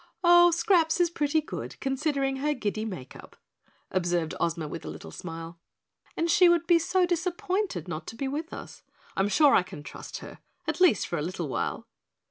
"Oh, Scraps is pretty good, considering her giddy make up," observed Ozma with a little smile, "and she would be so disappointed not to be with us. I'm sure I can trust her at least for a little while."